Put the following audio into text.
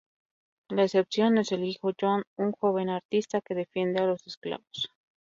La excepción es el hijo John, un joven artista que defiende a los esclavos.